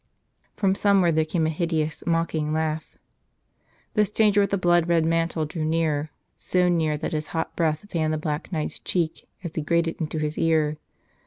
From somewhere there came a hideous, mocking laugh. The stranger with the blood red mantle drew near, so near that his hot breath fanned the Black Knight's cheek as he grated into his ear.